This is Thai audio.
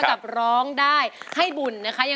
กับร้องได้ให้บุญนะคะ